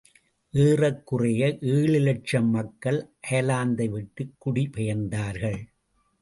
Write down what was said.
ஏறக்குறைய ஏழு இலட்சம் மக்கள் அயர்லாந்தைவிட்டுக் குடிபெயர்ந்தார்கள்.